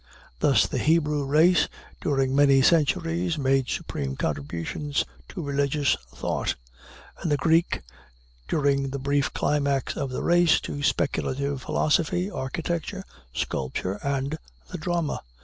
Thus, the Hebrew race, during many centuries, made supreme contributions to religious thought; and the Greek, during the brief climax of the race, to speculative philosophy, architecture, sculpture, and the drama.